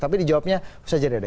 tapi di jawabnya bisa jadi jadi